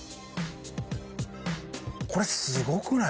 これすごくない？